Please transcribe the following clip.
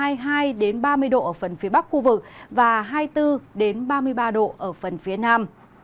nhiệt độ ở phần phía bắc khu vực và hai mươi bốn ba mươi ba độ ở phần phía nam